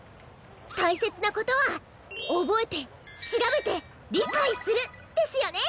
たいせつなことはおぼえてしらべてりかいする。ですよね！